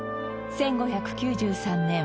１５９３年